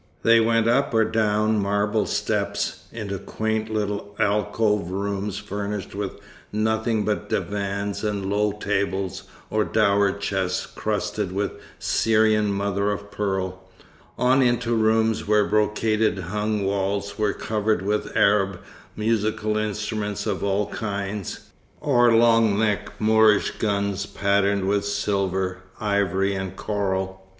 They went up or down marble steps, into quaint little alcoved rooms furnished with nothing but divans and low tables or dower chests crusted with Syrian mother o' pearl, on into rooms where brocade hung walls were covered with Arab musical instruments of all kinds, or long necked Moorish guns patterned with silver, ivory and coral.